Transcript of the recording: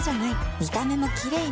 見た目もキレイに